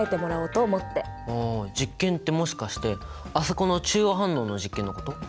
ああ実験ってもしかしてあそこの中和反応の実験のこと？